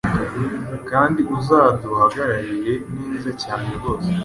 kandi uzaduhagararire neza cyane rwose.